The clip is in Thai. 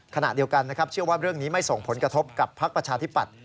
ขณะเดียวกันนะครับเชื่อว่าเรื่องนี้ไม่ส่งผลกระทบกับพักประชาธิปัตย